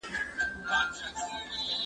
د خلکو اقتصادي وضعیت ستونزمن دی.